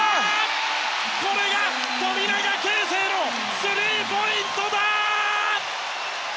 これが富永啓生のスリーポイントだ！